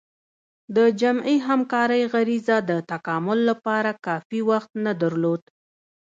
د جمعي همکارۍ غریزه د تکامل لپاره کافي وخت نه درلود.